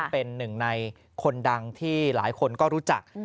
เป็นหนึ่งในคนดังที่หลายคนก็รู้จัก